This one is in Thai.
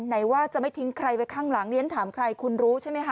ไหนว่าจะไม่ทิ้งใครไว้ข้างหลังเรียนถามใครคุณรู้ใช่ไหมคะ